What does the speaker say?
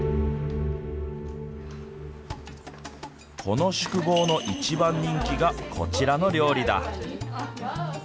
この宿坊の一番人気がこちらの料理だ。